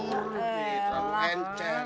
ini terlalu kenceng